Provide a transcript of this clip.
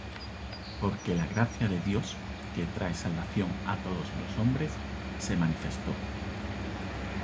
Porque la gracia de Dios que trae salvación á todos los hombres, se manifestó.